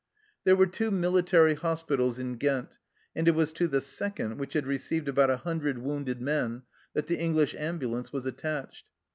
There were two military hospitals in Ghent, and it was to the second, which had received about a hundred wounded men, that the English am bulance was attached.